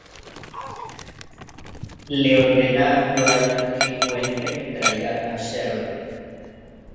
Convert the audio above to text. Le ordena a Dwight que encuentre y traiga a Sherry.